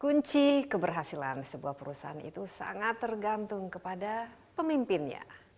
kunci keberhasilan sebuah perusahaan itu sangat tergantung kepada pemimpinnya